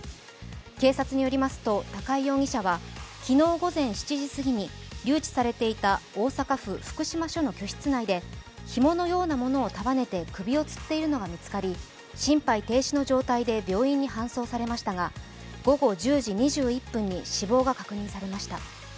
警察によりますと高井容疑者は昨日午前７時過ぎに留置されていた大阪府福島署の居室内でひものようなものを束ねて首をつっているのが見つかり心肺停止の状態で病院に搬送されましたが午後１０時２１分に死亡が確認されました。